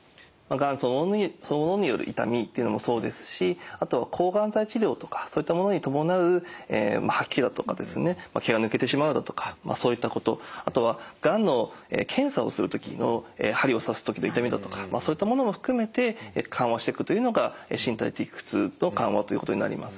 がんそのものによる痛みというのもそうですしあと抗がん剤治療とかそういったものに伴う吐き気だとかですね毛が抜けてしまうだとかそういったことあとはがんの検査をする時の針を刺す時の痛みだとかそういったものも含めて緩和していくというのが身体的苦痛の緩和ということになります。